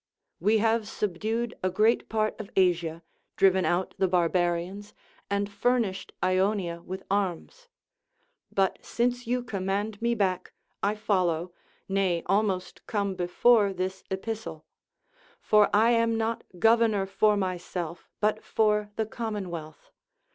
AVe have subdued a great part of Asia, driven out the barbarians, and furnished Ionia with arms. But since you command me back, I follow, nay almost come before this epistle ; for I am not governor for myself, but for the LACONIC APOPHTHEGMS. 391 commonwealth.